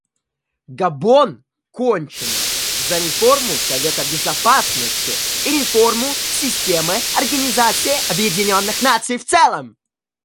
Габон, кончено, за реформу Совета Безопасности и реформу системы Организации Объединенных Наций в целом.